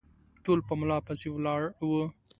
ټول په ملا پسې ولاړ وه